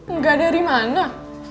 enggak dari mana